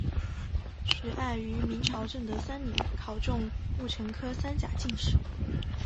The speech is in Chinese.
徐爱于明朝正德三年考中戊辰科三甲进士。